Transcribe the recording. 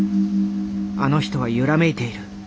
あの人は揺らめいている。